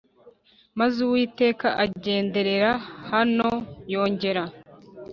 Maze Uwiteka agenderera Hana yongera